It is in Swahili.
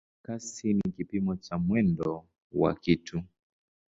Kasi ni kipimo cha mwendo wa kitu.